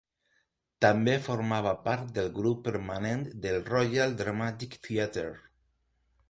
També formava part del grup permanent del Royal Dramatic Theatre.